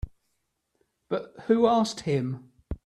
But who asked him?